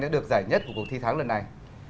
được giải nhất của cuộc thi thắng lần này